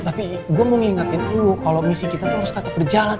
tapi gue mau ngingetin lu kalau misi kita tuh harus tetap berjalan